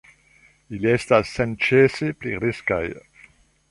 Ili estas senĉese pli riskaj.